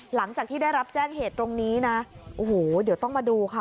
หลังจากที่ได้รับแจ้งเหตุตรงนี้นะโอ้โหเดี๋ยวต้องมาดูค่ะ